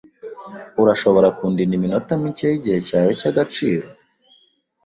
Urashobora kundinda iminota mike yigihe cyawe cyagaciro?